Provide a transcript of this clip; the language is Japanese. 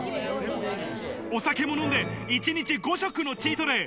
お酒も飲んで一日５食のチートデー。